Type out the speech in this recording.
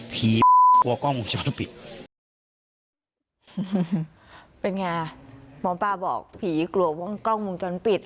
ผีกลัวกล้องมุมจรปิดเป็นไงหมอปลาบอกผีกลัวกล้องมุมจรปิด